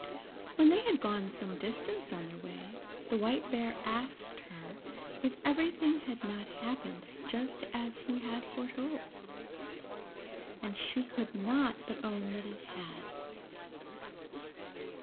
When they had gone some distance on their way, the White Bear asked her if everything had not happened just as he had foretold, and she could not but own that it had.